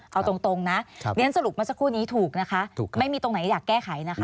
เอาตรงนะเรียนสรุปมาสักครู่นี้ถูกนะคะไม่มีตรงไหนอยากแก้ไขนะคะ